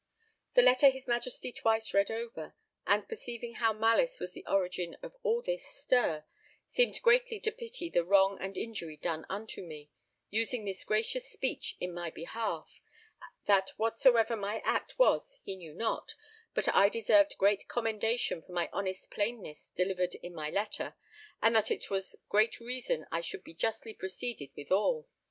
The letter his Majesty twice read over, and perceiving how malice was the original of all this stir, seemed greatly to pity the wrong and injury done unto me, using this gracious speech in my behalf, that whatsoever my act was he knew not, but I deserved great commendation for my honest plainness delivered in my letter, and that it was great reason I should be justly proceeded withal.